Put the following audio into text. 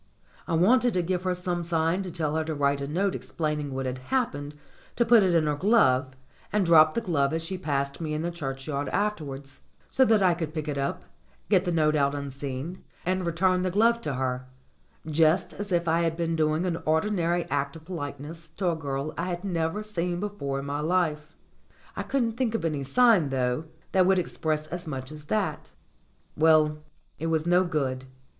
I wanted to give her some sign to tell her to write a note explaining what had happened, to put it in her glove, and drop the glove as she passed me in the churchyard afterwards ; so that I could pick it up, get the note out unseen, and return the glove to 176 STORIES WITHOUT TEARS her, just as if I were doing an ordinary act of polite ness to a girl I had never seen before in my life. I couldn't think of any sign, though, that would express as much as that. Well, it was no good.